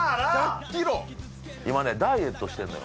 今ねダイエットしてんのよ